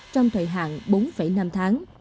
trong thời hạn bốn năm tháng